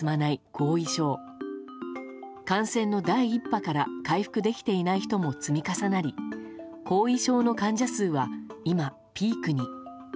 この第１波から回復できていない人も積み重なり後遺症の患者数は今、ピークに。